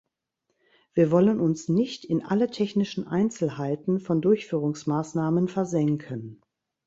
Wir wollen uns nicht in alle technischen Einzelheiten von Durchführungsmaßnahmen versenken.